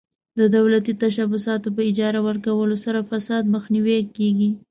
د دولتي تشبثاتو په اجاره ورکولو سره فساد مخنیوی کیږي.